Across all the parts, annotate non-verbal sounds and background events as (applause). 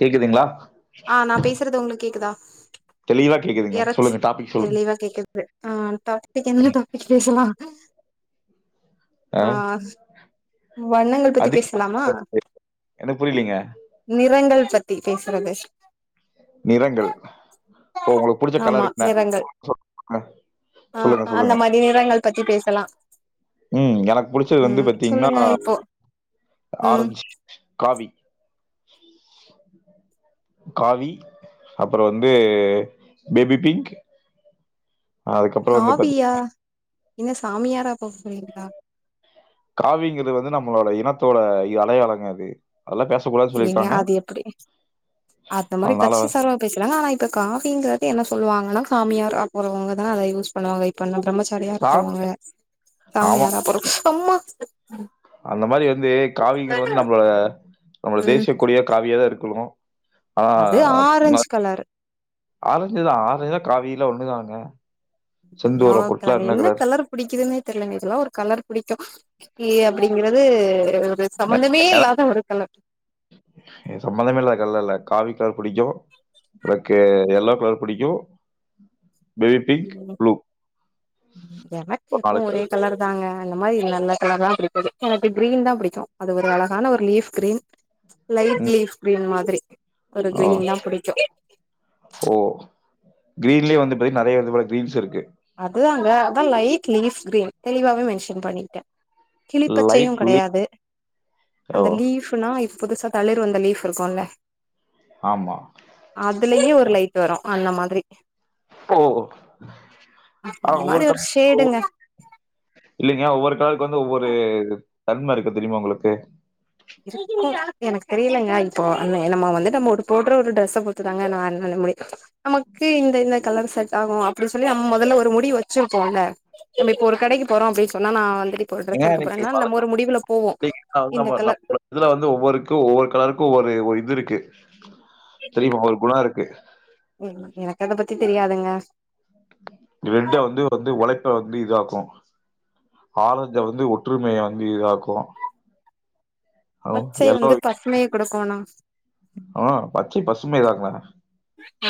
கேக்குதுங்களா ஆ நா பேசுறது உங்களுக்கு கேக்குதா தெளிவா கேக்குதுங்க எறச்சி சொல்லுங்க டாபிக் சொல்லுங்க தெளிவா கேக்குது ஆ டாபிக் என்ன டாபிக் பேசலா ஆ வண்ணங்கள் பத்தி அது பேசலாமா எனக்கு புரியலீங்க நிறங்கள் பத்தி பேசுறது நிறங்கள் ஓ உங்களுக்கு புடிச்ச ஆமா கலர் என்ன நிறங்கள் (inaudible) ஆ சொல்லுங்க அந்த சொல்லுங்க மாரி நிறங்கள் பத்தி பேசலா ம் எனக்கு புடிச்சது வந்து ம் பத்தி ங்கீன்னா சொல்லுங்க இப்போ ம் ஆரஞ்சு காவி காவி அப்பறோ வந்து பேபி பிங்க் அதுக்கப்பறோ வந்து பாத்தீங்க காவியா என்ன சாமியாரா போக போறீங்களா காவிங்கறது வந்து நம்மளோட இனத்தோட அடையாளங்க அது அதெல்லாம் பேசக்கூடாதுன்னு ஏங்க சொல்லியிருக்காங்க அது எப்படி அந்த மாரி அதனால கச்சி வந்து- சார்வா பேசலாங்க ஆனா இப்ப காவிங்க து என்ன சொல்லுவாங்கன்னா சாமியாரா போறவங்க தா அத யூஸ் பண்ணுவாங்க இப்ப பிரம்மசா சாரியா சா இருக்கிறவங்க ஆமா சாமியாரா போறவங் (unintelligible) அந்த மாரி வந்து காவிங்கறது வந்து நம்ம நம்ளோட ம் தேசியக்கொடியா காவியாதா இருக் (unintelligible) அது ஆரஞ்ச் கலர் ஆரஞ்சுதா ஆரஞ்சுதா காவிலா ஒண்ணுதாங்க என்னவோ கலர்ங்க என்ன கலர் புடிக்குதுன்னே தெரியலங்க இதெல்லா ஒரு கலர் பிடிக்கு எ அப்படிங்கறது ஒரு சம்பந்தமே இல்லாத ஒரு கல சம்பந்தமே இல்லாத கலர் இல்ல காவி கலர் புடிக்கு பிறக்கு எல்லோ கலர் புடிக்கு பேபிங்க் ப்ளூ உம் எனக்கு இப்ப ஒரே கலர் தாங்க அந்த மாதிரி நல்ல கலரா பிடிப்பது எனக்கு கிரீன் தா பிடிக்கும் அது ஒரு அழகான ஒரு லீஃப் க்ரீன் லைட் ம் லீஃப் கிரீன் மாதிரி ஒரு ஆ கிரீன் தா பிடிக்கும் கிரீன்லயே வந்து பாத்தி நறைய விதமான கிரீன்ஸ் இருக்கு அதாங்க அதா லைட் லீஃப் க்ரீன் தெளிவாவே மென்ஷன் பண்ணிட்டே கிளிப்பச்சையு லைட் லீ கெடையாது ஓ அந்த லீஃப்னா புதுசா தளிர் வந்த லீஃப் இருக்குல்ல ஆமா அதுலயே ஒரு லைட் வரும் அந்த மாதிரி ஓ ஆஹ் அந்த ஒவ்வொரு மாரி ஒரு ஷேடுங்க (inaudible) இல்லைங்க ஒவ்வொரு கலருக்கு வந்து ஒவ்வொரு தன்ம இருக்கு தெரியுமா உங்களுக்கு இருக்கு எனக்கு தெரியலைங்க இப்போ நம்ம வந்து நம்ம ஒரு போடுற ஒரு டிரெஸ்ஸ பொறுத்துதாங்க நா என்ன முடியு நமக்கு இந்த இந்த கலர் செட் ஆகும் அப்படி சொல்லி நம்ம மொதல்ல ஒரு முடிவு வச்சுருப்போ இல்ல நம்ம இப்ப ஒரு கடைக்கு போறோ அப்படின் சொன்னா நா வந்துட்டு இப்ப ஒரு ஏங்க டிரெஸ் எடுக்க எனக்கு போறேன்னா பல- நம்ம ஒரு முடிவுல போவோ இல்லைங்க, நான் வந்து இந்த நம்ம கலர் நம்ம இதுல வந்து ஒவ்வொருக்கு ஒவ்வொரு கலருக்கு ஒவ்வொரு ஒரு இது இருக்கு தெரியுமா ஒரு குண இருக் கு எனக்கு அத தெரியாதுங்க ரெட்ட வந்து (unintelligible) ஆரஞ்ச வந்து ஒற்றுமைய வந்து இதாக்கு பச்சை வந்து பசுமைய குடுக்கோணு ஆஹ் பச்சை பசுமை இததான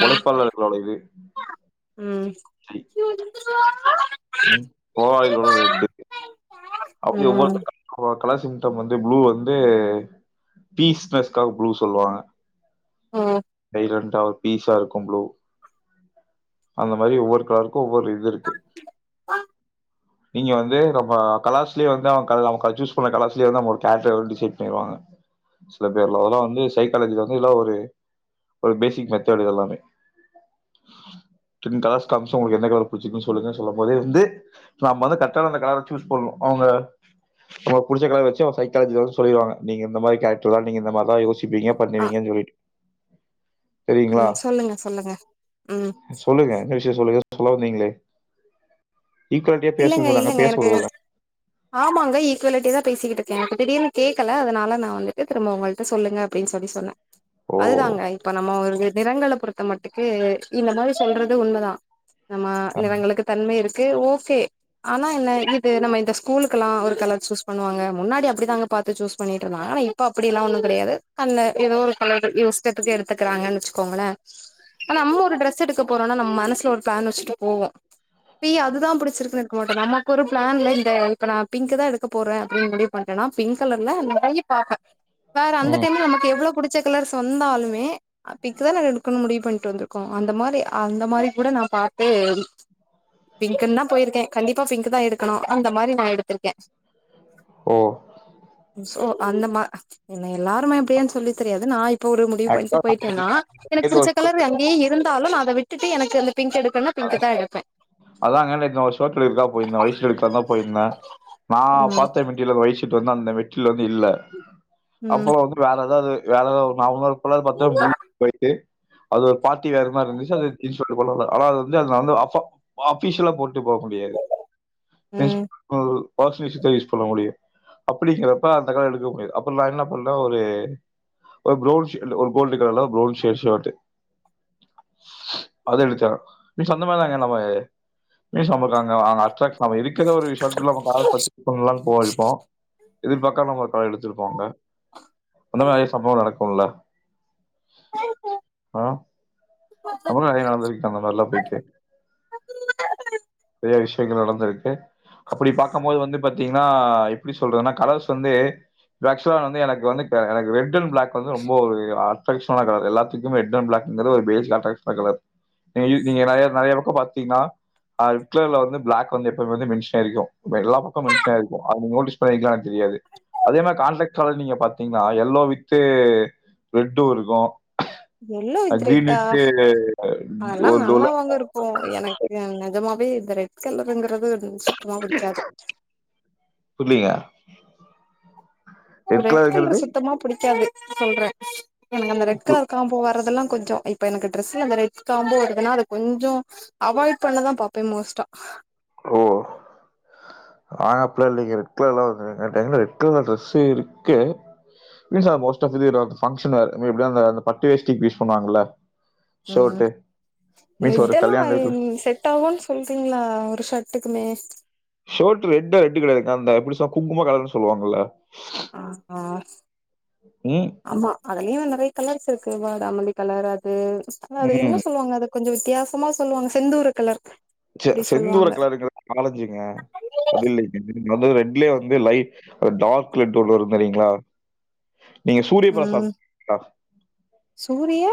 ஆ உழைப்பாளர்களோடது ம் க்ரீன் ம் (unintelligible) ரெட்டு அப்டி ம் ஒவ்வொருத்தர் கன்ட்ரோ (inaudible) கலர் சிம்டம் வந்து ப்ளூ வந்து பீஸ் னஸ்காக ப்ளூ சொல்லுவாங்க ஓ (unintelligible) டா பீஸா இருக்கும் ப்ளூ அந்த மாரி ஒவ்வொரு கலருக் கு ஒவ்வொரு இது இருக்கு நீங்க வந்து நம்ம கலாஸ்லயே வந்து அவ அவ சூஸ் பண்ண கலாஸ்லயே வந்து அவங்க ஒரு கேச வந்து டிசைட் பண்ணிருவாங்க சில பேர்ல அதெல்லா வந்து சைக்காலஜி ல வந்து இதல்ல ஒரு ஒரு பேசிக் மெத்தேடு இதெல்லாமே டென் கலர்ஸ் காமிச்சு உங்குளுக்கு எந்த கலர் புடிச்சுருதுக்கு னு சொல்லுங்க சொல்லும் போதே வந்து நம்ம வந்து கரக்டான அந்த கலர சூஸ் பண்ணனு அவங்க நமக்கு புடிச்ச கலர் வச்சே அவ சைக்காலஜில வந்து சொல்லிடுவாங்க நீங்க இந்த மாரி கேரக்டர் தா நீங்க இந்த மாரி தா யோசி ப்பீங்க ஆ பண்ணுவீங்கன் சொல்லிட்டு தெரியுங்களா ம் சொல்லுங்க சொல்லுங்க ம் சொல்லுங்க என்ன விஷயோ சொல்லு ங்க நீங்களே ஈக்குவாலிட்டியா பேசனுனு இல்லங்க சொன்னாங்க இல்லங்க பேச எனக்கு உடுவங்க ஆமாங்க ஈக்குவாலிட்டியா தா பேசிக்கிட்டு இருக்க இப்ப திடீர்னு கேக்கல அதனால நா வந்துட்டு திரும்ப உங்கள்ட்ட சொல்லுங்க அப்டின்னு சொல்லி சொன்ன ஓ அதுதாங்க இப்ப நம்ம ஒரு இது நிறங்கள பொறுத்த மட்டுக்கு இந்த மாரி சொல்றது உண்மதா நம்ம நிறங்களுக்கு தன்மை இருக் கே ஓஸ் செ ஆனா என்ன இப்போ நம்ம இந்த ஸ்கூலுக்குலா ஒரு கலர் சூஸ் பண்ணுவாங்க முன்னாடி அப்டிதாங்க பாத்து சூஸ் பண்ணிட்ருந்தாங்க இப்போ அப்டிலா ஒன்னு கெடையாது கண்ண எதோ ஒரு கலருக்கு இஸ்டதுக்கு எடுத்துக்குறாங்கன் வெச்சுக்கோங்களே நம்ம அம்மா கூட ட்ரெஸ் எடுக்க போறோனா நம் மனசுல ஒரு பிளான் வச்சுட்டு போவோ ஏ அதுதா புடிச் சிருக்கு எட்க்கமட்டே நமக்கு ஒரு பிளான்லா இல்ல இப்ப நா பிங்க்குதா எடுக்க போறே அப்டின் முடிவு பண்டனா பிங்க் கலர்ல நெறைய பாப்பே வேற அந்த ம் டைம்ல நமக்கு எவ்ளோ புடிக் ச்ச கலர்ஸ் வந்தாலுமே அ பிங்க் தான எடுக்கணுன் முடிவு பண்ட்டு வந்துருக்கோ அந்த மாரி அந்த மாரி கூட நா பாத்தே எடி பிங்க்குன்னா போயிருக்கே கண்டிப்பா பிங்க்கு தா எடுக்கணு அந்த மாரி நா எடுத்திருக்கே ஓ சோ அந்த மா என்ன எல்லாருமே அப்டியான் சொல்லி தெரியாது நாள் போறேன் முடிவு ஆக்சுவலா பண்ட்டு போயிட்டே நா எனக்கு நேத்து புடிச்ச ஒரு கலரு அங்கே இருந்தாலு நா ன்ன விட்டுட்டு எனக்கு வந்து பிங்க் எடுக்கனுனா பிங்க்கு தா எடுப்பே நா ஒரு ஷேர்ட் எடுக்றதுக்காக போயிருந்தே வயசுல எடுக்கலாந்தா போயிருந்தே நா ம் பாத்த மெட்டிரியலோட வய்சு ஷேட்டு வந்து அந்த மெட்ரில் லெவல்ல இல்ல அப்போ ம் வந்து வேற எதாவ்து வேலலா நார்மல் இப்பலா பாத்தா முழு போய்ட்டு அது ஒரு பார்டி வேற மார்ருந்துச்சு அதுல கிள் ஷேட்ட போட்லாமா ஆனா அது இல்ல அது நடந்து வாப்ப அஃபிஷியலா போட் டு போ முடியாது எந்ச் ம் ஒரு வாஷிங்மிசின்தா யூஸ் பண்ண முடியு அப்டிங்கிறப்ப அந்த கலர் எடுக்க முடியாது அப்ற நா என்ன பண்றே ஒரு அ ப்ரௌன் ஷே இல்ல ஒரு கோல்டு கலர்ல ப்ரௌன் ஷேட் ஷேட்டு அத எடுத்தே மிஸ் அந்த மாரிதாங்க எல்லாமேயு இருக் மீஸ் சாப்புட்றாங்க ஆனா ஷர்ச் அவ இருக்கிற ஒரு ரெசாட்ல நமக்கு ஆளு பாத்து தூக்கமில்லாம போகருக்கோ எதிர்பாக்காம நம்மளோட தலயெழுத்து இருக்குல்ல இன்னோ நெறைய சம்பவ நடக்குல்ல ஆ நம்மளு நெறையா நடந்திருக்க அந்த மார்ல்லா போயிட்டு பெரிய விஷ் எங்க நடந்திருக்கு அப்படி பார்க்கபோது வந்து பத்த தீங்னா எப்டி சொல்றதுனா கலர்ஸ் வந்து வாக்சுவ்லா வந்து எனக்கு வந்து இப்ப எனக்கு ரெட் அன் பிளாக் வந்து ரொம்ப ஒரு ஆ ட்ரெடிக்ஷனலான கலரு எல்லாத்துக்கும் ரெட் அன் பிளாக்குங்கறது ஒரு பேஜ் லேப்டாப் அங்க பாரு நீ நீங்கயெதாவ்து நெறைய பக்க பாத்தீங்னா ஆ கேவ்ல வந்து பிளாக் வந்து எப்பவுமே வந்து மென்ஷன் ஆயிருக்கு இந்த எல்லா பக்க மென்ஷன் ஆயிருக்கு அத நீ‌ நோட்டீஸ் பண்ணிருக்கியான் தெரியாது அதே மாரி கான்ட்டக்ட் கலர் நீங்க பாத்தீங்னா எல்லோ வித்து ரெட்டு இருக்கு வெள்ள இதர தாஃப் அதெல்லா ஒரு ஒரு நல்லாதாங்க இருப்போ எனக்கு நெஜமாவ் இந்த ரெட் கலர் உ சுத்தமா குடிக்காது புரியலீங்க ரெட் கலர் சுத்தமா புடிக்காது சொல்றேன் அந்த ரெட் கலர் காம்போ வரதெல்லாம் கொஞ்சம் இப்ப எனக்கு டிரெஸ்ல அந்த ரெட் காம்போ வருதுன்னா அது கொஞ்சம் அவாய்ட் பண்ணதான் பாப்பேன் மோஸ்ட்டா ஓ அ அப்படிலாம் இல்லங்க ரெட் கலர் என்ட ரெட் கலர் டிரஸ் இருக்கு மீன்ஸ்னா மோஸ்டா பங்க்ஷன் வேர் (unintelligible) பட்டு வேஷ்டி உம் ஒரு ரெட் கல்யாண வீட்ல எல்லாம் செட் ஆகன்னனு சொல்றீங்களா ஒரு ஷர்ட்டுக்குமே ஷர்ட் ரெட்டா ரெட் கெடையாது இருக்கான்ந்தான் எப்படி சா குங்கும கலர்னு சொல்லுவாங்களா ஆஹ் ஆஹ் ம். ஆமா அதலயும் அந்த ந கலர்ஸ் இருக்கு வடாமல்லி கலர் அது அ அது என்ன ம். சொல்லுவாங்க அதுக்கு கொஞ்சம் வித்தியாசமா சொல்லுவாங்க செந்தூரு கலர் அப்டி செந்தூர சொல்லுவாங்க கலருங்கது ஆரஞ்சிங்க அது இல்லைங்க அது ரெட்லயே வந்து லைட் டார்க் லெட் ஒன்ன இருந்துரியீங்களா நீங்க சூரிய பிரசாத் ம் சூரிய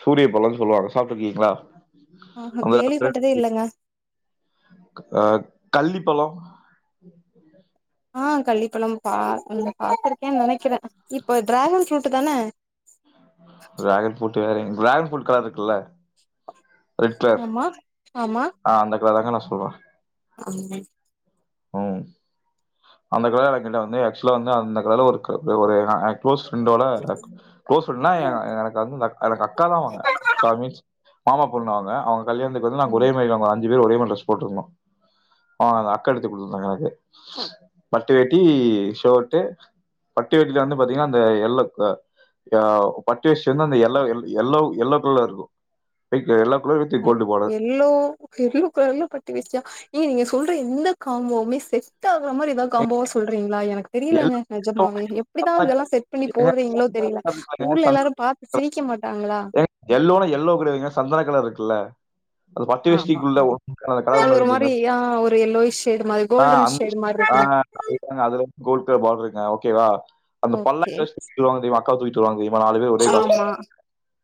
சூரியப்பலன்னு சொல்லுவாங்க சாப்டுருக்கீங்களா ஆஹஹ கேள்விப்பட்டதே இல்லங்க அஹ் கள்ளிப்பழம் அஹ் கள்ளிப்பழம் பா உந் பாத்துருக்கேன்னு நெனைக்கிறேன் இப்ப டிராகன் ஃபுரூட்டு தானே டிராகன் ஃப்ரூட் வேறங்க டிராகன் ஃபுரூட் கலர் இருக்குல்ல ஆமா ஆமா கலறாங்க நான் சொல்லுவேன் அண்ணன் உம் அந்த கலரை கிட்ட வந்து ஆக்சுவலா வந்து அந்த கலர்ல ஒரு கருப்புல ஒரு நான் க்ளோஸ் ஃப்ரெண்டோட க்ளோஸ் ஃப்ரெண்ட்னா எனக் எனக்கு வந்து அக் அது அக்கா தான் ஒன்னு அக்கா மீன்ஸ் மாமா பொண்ணு அவுங்க அவுங் கல்யாணத்துக்கு வந்து நாங்க ம் ஒரே மாரி வாங் இதே ஒரே மாரி டிரஸ் போட்டுருந்தோம் வாங்குனதா பட்டு எடுத்துக் கொடுத்திருந்தாங்க எனக்கு பட்டு வேட்டி ஷர்ட்டு பட்டு வேட்டியில வந்து பாத்தீங்கன்னா அந்த யெல்லக் அஹ் பட்டு வேஷ்டியில வந்து அந்த எல்லோ எல்லோ எல்லோக் கலர் இருக்கும் போயிட்டு அஹ் எல்லோ எல்லோக் கலர்ல பட்டு வேஷ்டியா ஏங்க நீங்க சொல்ற எந்த காம்போமே செட் ஆ ஆகுற மாரி ஏதாவது காம்போவா சொல்றீங்களா எனக்கு தெரியலைங்க நெஜமாவே எப்டிதா இதெல்லா செட் பண்ணி போட்றீங்களோ தெரில ஊர்ல எல்லாரு பாத்து சிரிக்க மாட்டாங்களா எல்லோனா எல்லோ கெடையாதுங்க சந்தன கலர்ருக்குல்ல ஆமா அது ஒண்ணு ஒரு இருக்கு மாரி தெரியுங்களா? ஆ ஒரு எல்லோயிஷ் ஷேடு மாரி ஆ கோல்டன் அந்த ஷேடு ஷே மாரி ஆ இருக்குங்க ஆ அது கோல்டு ல்டன் பாட்ருங்க ஓகேவா அந்த ஓகே பல்லக்குல வச்சி தூக்கிட்டு வரவாங்க தெரியுமா அக்காவ தூக்கிட் வருவாங்க (unintelligible) நாங்க நாலு பேரும் ஒரே ஆமா காஸ்ட்டியூம்ல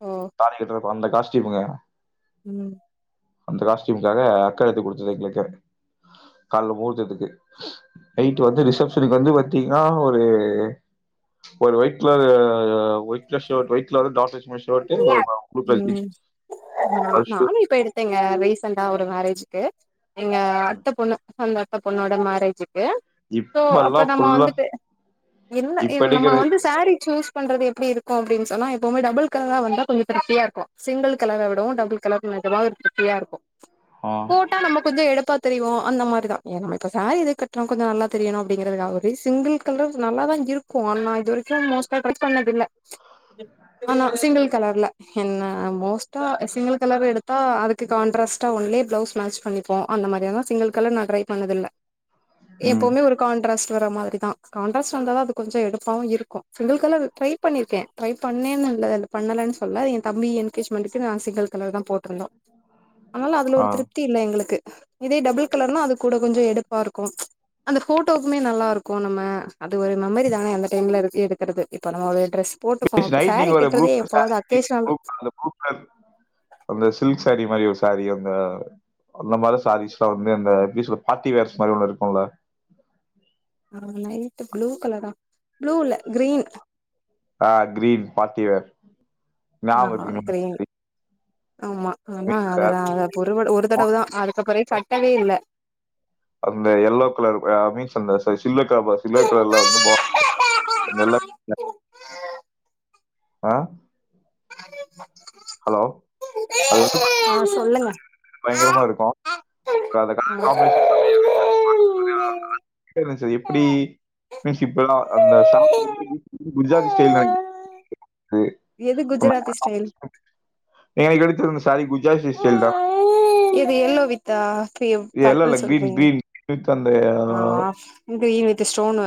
ஓ தாலிய கட்டுறப் அந்த காஸ்டியூமுங்க ம் அந்த காஸ்ட்டியூம்காக அக்கா எடுத்து குடுத்தது எங்களுக்கு கால் ல முகூர்த்தத்துக்கு நைட்டு வந்து ரிசப்ஷனுக்கு வந்து பாத்தீங்னா ஒரு ஒரு ஒயிட் கலர்ரு ஆ ஒயிட் கலர் ஷர்ட் ஒயிட்ல டார்ட் வச்சி ம் நா அது ஷூ. நானு இப்ப எடுத்தேங்க வேஸ் சண்டா ஒரு மேரேஜூக்கு எங்க அத்த பொண்ணு சொந்த அத்த பொண்ணோட மேரேஜ் க்கு சோ அப்ப இப்பல்லாம் நம்ம ஃபுல்லா வந்துட்டு என்ன இப்ப என் நம்ம எடுக்கிற வந்து சேரீ சூஸ் பண்றது எப்டி இருக்கு அப்டின் சொன்னா எப்பமே டபுள் கலரா வந்தா கொஞ்ச திருப்தியாருக்கு சிங்கள் கலர விடவு டபுள் கலர்க்கு மேட்ச்சா (unintelligible) திருப்தியா இருக்கும் ஆ. போட்டா நம்ம கொஞ்சோ எடுப்பாத் தெரிவோ அந்த மாரிதா ஏன் நம்ம இப்ப சேரீ எதுக்கு கட்றோ கொஞ்சோ நல்லா தெரியணு அப்டிங்றதுக்காகவே சிங்குள் கலர்ஸ் நல்லா தா இருக்கு ஆனா இது வரைக்கு மோஸ்டா (unintelligible) பண்ணதில்ல ஆனா சிங்கிள் கலர்ல என்ன மோஸ்ட் ட்டா சிங்குல் கலர் எடுத் ஆ அதுக்கு கான்டாராஸ்டா ஒன்லே பிளஸ் மேட்ச் பண்ணிப்போ அந்த மாரியே தா சிங்குல்கலர் நா ட்ரை பண்ணது இல்ல ம். எப்பவுமே ஒரு கான்ட்ராஸ்ட் வர மாதிரிதா கான்ட்ராஸ்ட் வந்தா அது கொஞ்சோ எடுப்பாவு இருக்கு சிங்கிள் கலர் ட்ரை பண்ணிருக்கே ட்ரைப் பண்ணேன் ல அது பண்ணலனு சொல்ல என் தம்பி என்கேஜ்மென்ட்க்கு நா சிங்கள் கலர் தா போட்ருந்தோ ஆனாலு அதுல ஆ. ஒரு திருப்தி இல்ல எங்ளுக்கு இதே டபுள் கலர்னா அது கூட கொஞ்சோ எடுப் பாருக்கு அந்த ஃபோட்டோவுக்குமே நல்லாருக்கு நம்ம அது ஒரு மெமரி தானே எந்த டைம்ல இரு எடுக்கறது இப்ப நம்ம ட்ரெஸ் போட்டுப்போ அப்ப நைட் சாரீ நீங்க ப்ளூ கட்டுறதே கலர் எப்பாவது (unintelligible) அக்கேஷனல் ப்ளூ கலர் அந்த ப்ளூ கலர் அந்த சில்க் சாரி மாரி ஒரு சாரி அந்த அந்த மாரி சாரீஸ்லா வந்து அந்த எப்டி சொல் பார்ட்டி வேர்ஸ் மாரி ஒண்ணு இருக்கும்ல ஆ லைட் ப்ளூ கலரா ப்ளூ இல்ல க்ரீன் ஆ க்ரீன் பார்ட்டி வேர் ஞாபகம் ஆஹ் இருக்குங்களா க்ரீன் ஆமா ஆனா மீன்ஸ் அதெல்லாம் ஒரு ஒரு தடவு தான் அதுக்கப்புற சட்டவே இல்ல அந்த எல்லோ கலர் மீன்ஸ் அந்த சில்வர் கலர் பா ஆ, சில்வர் கலர்ல வந்து ஆஹ் ஹலோ அது வந்து ஆஹ் சொல்லுங்க பயங்கரமா இருக்கும் அந்த கலர் காம்பினேஷன் ஆ நச்சது எப்படி மீன்ஸ் இப்பல்லாம் அந்த (inaudible) குஜராத்தி ஸ்டைல (unintelligible) எது குஜராத்தி ஸ்டைல் இப்ப இந்த சாரி குஜராத்தி ஸ்டைல்தான இது எல்லோ வித்தா பி- இது எல்லோ இல்ல பர்பிள் கிரீன் சொல்றீங்க கிரீன் வித் சந்தைய (unintelligible) இந்த ஸ்டோணு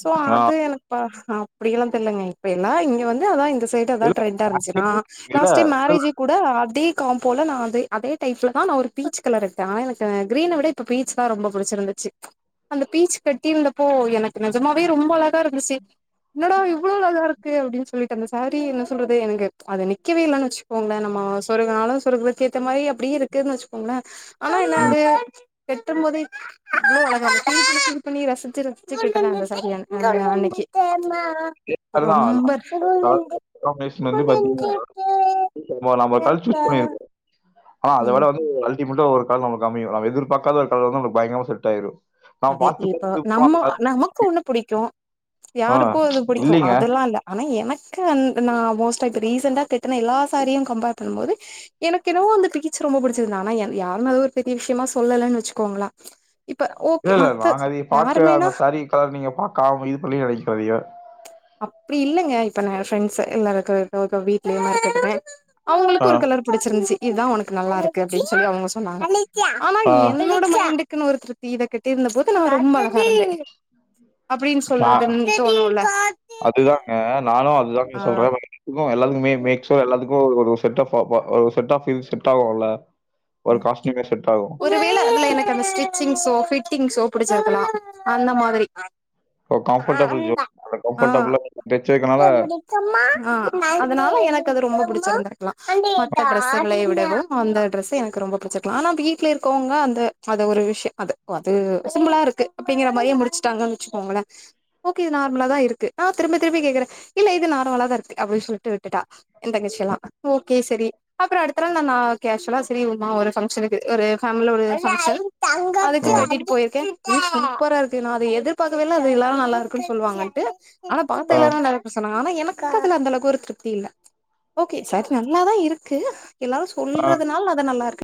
சோ அது எனக்குப்பஹ இப்படிெல்லாம் தெரியிலங்க இப்ப எல்லாம் இங்க வந்து அதான் இந்த சைட் அதா ட்ரெண்டா இருந்துச்சுா நா இல்ல. இல்ல. லாஸ்ட் டை மேரேஜ் கூட அதே காம்போல நான் அ அதே டைப்ல தான் நான் ஒரு பீச் கலர் எடுத்தேன்னா ஆனா எனக்கு கிரீனை விட இப்ப பீச் தான் ரொம்ப பிடிச்சிருந்து சச்சு அந்த பீச் கட்டிருந்தப்போ எனக்கு நெஜமாவே ரொம்ப அழகா இருந்துச்சு எந்நடா இவ்ளும் அ இருக்கு அப்டின்னு சொல்லிட்டு அந்த சாரி என்ன சொல்றது எனக்கு அது நிக்கவே இல்லைன்னு வச்சுக்கோங்களன் நம்ம சொருகுனாலும் சொருகுறக்க ஏத்த மாரி அப்படியே இருக்குன்னு வச்சுக்கோங்களேன் ஆனா என்ன ம். அது வெட்டுபோதே து பண்ணி ரசிச்சு ரசிச்சு (inaudible) சரியான அன்னைக்கு இப்ப அதுதான். ரொம்ப கலர் காம்பினேஷன் வந்து பார்த்தீங்கன்னா, ஆ அத ம் விட வந்து மட்டும் ஒரு நம்ம அமயு (unintelligible) பயங்கரமா செட் ஆயிரும் நாம அதே பார்த்து இப்ப பார்த்து நம்ம போலாம் அந்த நமக்கு ஒண்ணு புடிக்கும் ஆ யாருக்கும் அது புடிக்கும் இல்லைங்க. அதெல்லாம் இல்ல ஆனா எனக்கு நான் மோஸ்டா இப்ப ரீசண்டா கட்டின எல்லா சாரியும் கம்பேர் பண்ணும்போது எனக்கு என்னவோ அந்த பீச் ரொம்ப பிடிச்சிருந்த ஆனா யாருும் அத ஒரு பெரிய விஷயமா சொல்லலைன்னு வச்சுக்கோங்கள இப்ப இல்லலை ஓகே இல்ல மத்த நாங்க அதைய பாக்க யாருமேனா அந்த சாரீ கலர் நீங்க பாக்காம இது பண்ணி நினைக்க அதைய அப்படி இல்லைங்க இப்ப நான் ஃரெண்ட்ஸ் எல்லா இருக்க வீட்லயேமா இருக்கறேன் ஆ, அவங்களுக்கு ஒரு கலர் புடிச்சிருந்துச்சி இதுதா உனக்கு நல்லா இருக்கு அப்டின்னு சொல்லி அவங்க சொன்னாங்க ஆனா ஆ. என்னோட மைண்ட்டுக் க்னு ஒரு திருப்தி இத கட்டி இருந்தபோது நா ரொம்ப அழகா இருந்தே அப்டின்னு நான் சொல்றதுனு தோணுல்ல அதுதாங்க நானு அதுதாங்க சொல்றே (unintelligible) க்கு எல்லா மே மேக்ஸிமம் எல்லாத்துக்கு ஒரு செட் ஆப் ஆ செட் ஆப் செட் ஆகும்ல ஒரு காஸ்ட்யூமே செட் ஆகும். ஒருவேள அதுல எனக்கு அந்த ஸ்டிச்சிங் சோ ஃபிட் ஃபிட்டிங்சோ பிடிச்சிருக்கலாம் அந்த மாதிரி ஓ கம்ஃபர்டபிள் ஜோ ஆ கம்ஃபர்டபுள் லா இருந்துட்டு ஆ அதனால எ எனக்கு அது ரொம்ப புடிச்சிருந்த லா மத்த ட்ரெஸ்சுகளை விடவும் அந்த ட்ரெஸ் எனக்கு ரொம்ப புடிச்சிருக்கலா ஆனா வீட்டுல இருக்கவங்க அந்த ஒரு விஷயம் அத அது சிம்பிளா இருக்கு அப்டிங்கற மாரியே முடிச்சிட்டாங்கனு வச்சுக்கோங்கள ஓகே அது நார்மலா தா இருக்கு நா திரும்பி திரும்பி கேக்குறே இல்ல இது நார்மலா தா இருக்கு அப்டின்னு சொல்லிட்டு விட்டுட்டா என் தங்கச்சில்லா ஒகே சரி அப்பறம் அடுத்த நாள் நா நா கேஷ்வல்லா சேரி சும்மா ஒரு ஃபங்ஷன்க்கு ஒரு பேமிலில ஒரு ஃபங்ஷன் ஆ அதுக்கு கட்டிட்டு போயிருக்கே ஏய் சூப்பரா இருக்கு நா அத எதிர்பாக்கவே இல்ல அது எல்லாரும் நல்லா இருக்குன்னு சொல்லுவாங்கன்ட்டு ஆனா பாத்த ஆ எல்லாரு நல் சொன்னாங்க ஆனா எனக்கு அதுல அந்த அளவுக்கு ஒரு திருப்தி இல்ல ஓகே சர் நல்லாதா இருக் கு எல்லாரும் ஆ சொல்றதுனால அது நல்லா இருக்கு